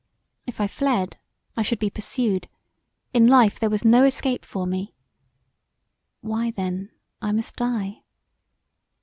If I fled I should be pursued; in life there was no escape for me: why then I must die.